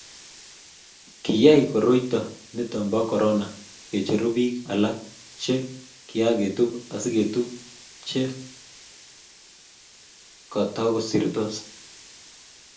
Kiyai koroito nito bo korona ke cheru biik alak che kiaketub asiketub che katukusirtos